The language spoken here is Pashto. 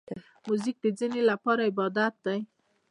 موزیک د ځینو لپاره عبادت دی.